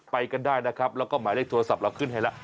ไปกันได้นะครับแล้วก็หมายเลขโทรศัพท์เราขึ้นให้แล้ว